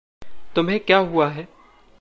तुम्हें क्या हुआ है?